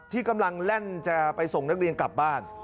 ที่กำลังแล่นจะไปส่งนักเรียนกลับบ้าน